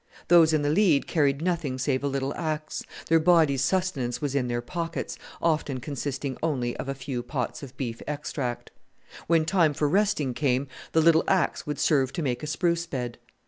Those in the lead carried nothing save a little axe their body's sustenance was in their pockets, often consisting only of a few pots of beef extract. When time for resting came the little axe would serve to make a spruce bed.